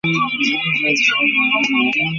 তবে বড়োদের দুনিয়াতে আমার স্থিতিশীলতা চাই।